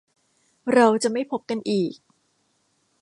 เราจะไม่พบกันอีก